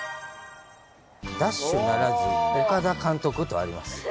奪首ならず、岡田監督とあります。